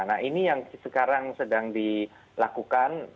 nah ini yang sekarang sedang dilakukan